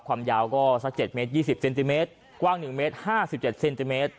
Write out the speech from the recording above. ความยาวก็สักเจ็ดเมตรยี่สิบเซนติเมตรกว้างหนึ่งเมตรห้าสิบเจ็ดเซนติเมตร